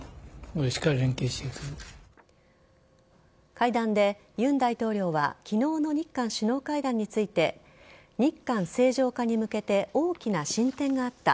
会談で尹大統領は昨日の日韓首脳会談について日韓正常化に向けて大きな進展があった。